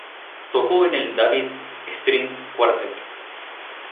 Tocó en el David String Quartet.